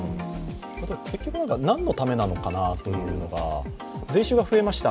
結局、何のためなのかなというのが税収が増えました、